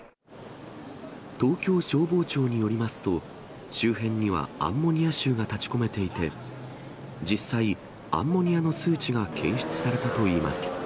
東京消防庁によりますと、周辺にはアンモニア臭が立ち込めていて、実際、アンモニアの数値が検出されたといいます。